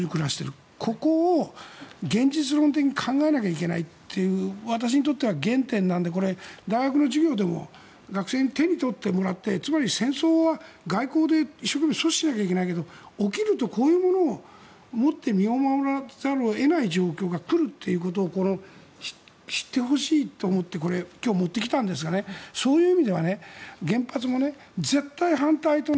ここを現実論的に考えなきゃいけないという、私にとっては原点なんでこれ、大学の授業でも学生に手に取ってもらって戦争は外交で一生懸命阻止しなきゃいけないけど起きるとこういうものを持って身を守らざるを得ない状況が来るってことを知ってほしいと思って今日持ってきたんですがそういう意味では原発も絶対に反対だと。